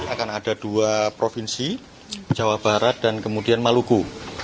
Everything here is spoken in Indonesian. akan ada dua provinsi jawa barat dan kemudian maluku